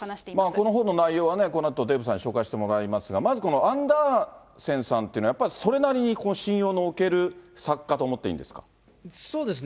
この本の内容は、このあとデーブさんに紹介してもらいますが、まずこのアンダーセンさんというのは、やっぱり、それなりに信用のおける作家と思っそうですね。